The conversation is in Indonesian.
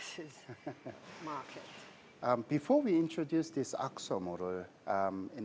sebelum kami memperkenalkan model axo